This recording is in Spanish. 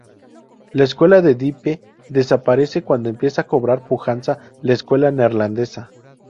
La escuela de Dieppe desaparece cuando empieza a cobrar pujanza la escuela neerlandesa.